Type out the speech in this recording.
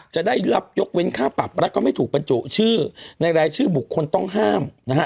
จะได้รับยกเว้นค่าปรับแล้วก็ไม่ถูกบรรจุชื่อในรายชื่อบุคคลต้องห้ามนะฮะ